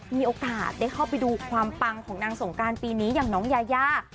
มีโอกาสได้เข้าไปดูความปังของนางสงการปีนี้อย่างน้องยายา